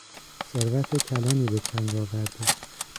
ثروت کلانی به چنگ آورده